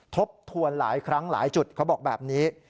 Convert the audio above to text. ทบทวนหลายครั้งหลายจุดเขาบอกแบบนี้